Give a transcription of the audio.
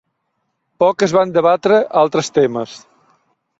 Poc es van debatre altres temes.